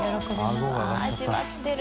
松田）味わってる。